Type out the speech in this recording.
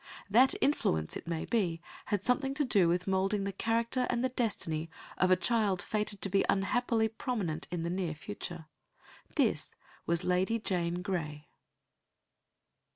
That influence, it may be, had something to do with moulding the character and the destiny of a child fated to be unhappily prominent in the near future. This was Lady Jane Grey.